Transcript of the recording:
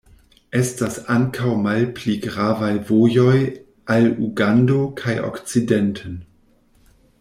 Estas ankaŭ malpli gravaj vojoj al Ugando kaj okcidenten.